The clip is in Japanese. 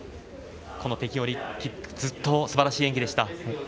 この北京オリンピックずっとすばらしい演技でした。